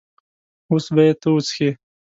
اوس به یې ته وڅښې.